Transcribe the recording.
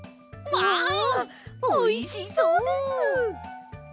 わおいしそうです！